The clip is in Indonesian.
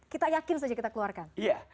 kita yakin saja kita keluarkan